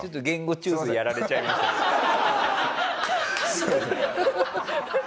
すいません。